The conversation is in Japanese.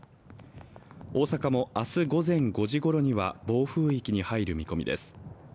大阪も明日午前５時ごろには暴風域に入る見込みです。